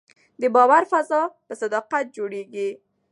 د باور فضا په صداقت جوړېږي